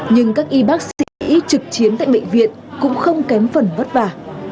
nhưng các y bác sĩ trực chiến tại bệnh viện cũng không kém phần vất vả